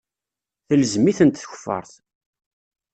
Telzem-itent tkeffart.